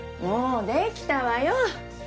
もう出来たわよ！